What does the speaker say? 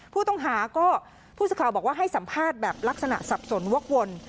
ผู้ต้องหาก็ผู้สื่อข่าวบอกว่าให้สัมภาษณ์แบบลักษณะสับสนวกวน